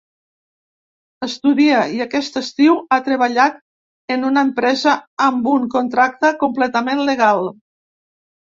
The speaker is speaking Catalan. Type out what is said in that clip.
Estudia, i aquest estiu ha treballat en una empresa amb un contracte completament legal.